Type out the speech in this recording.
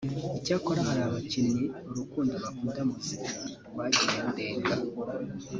Icyakora hari abakinnyi urukundo bakunda muzika rwagiye rurenga